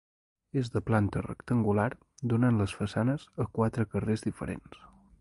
És de planta rectangular, donant les façanes a quatre carres diferents.